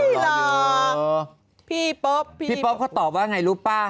พี่ป๊อปพี่ป๊อปพี่ป๊อปเขาตอบว่าอย่างไรรู้ป่าว